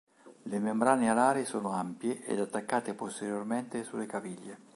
Le membrane alari sono ampie ed attaccate posteriormente sulle caviglie.